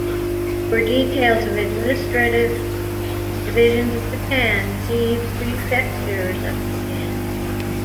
For details of administrative divisions of Japan, see Prefectures of Japan.